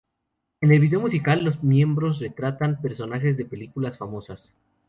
En el vídeo musical, los miembros retratan personajes de películas famosas.